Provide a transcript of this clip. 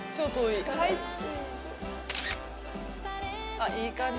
あっいい感じ。